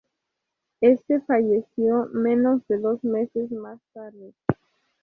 Este falleció menos de dos meses más tarde.